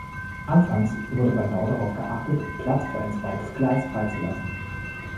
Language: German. Anfangs wurde beim Bau darauf geachtet, Platz für ein zweites Gleis freizulassen.